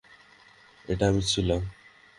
এটা আমি ছিলাম!